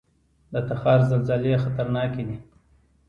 د تخار زلزلې خطرناکې دي